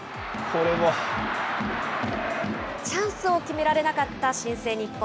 チャンスを決められなかった新生日本。